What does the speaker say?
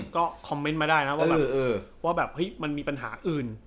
ก็คอมเม้นมาได้นะพิมพ์ว่ามีปัญหาอื่น